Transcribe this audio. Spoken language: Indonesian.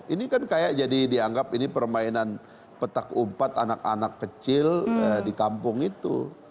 ini kan kayak jadi dianggap ini permainan petak umpat anak anak kecil di kampung itu